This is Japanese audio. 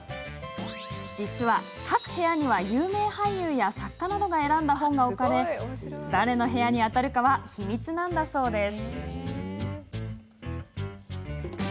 実は、各部屋には有名俳優や作家などが選んだ本が置かれ誰の部屋に当たるかは秘密なんだそうです。